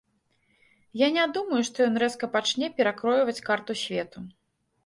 Я не думаю, што ён рэзка пачне перакройваць карту свету.